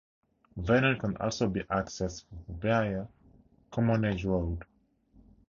Vernon can also be accessed via Commonage Road.